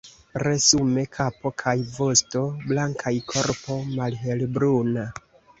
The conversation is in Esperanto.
Resume kapo kaj vosto blankaj, korpo malhelbruna.